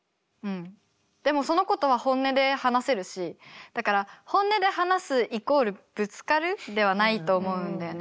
でもその子とは本音で話せるしだから本音で話すイコールぶつかるではないと思うんだよね。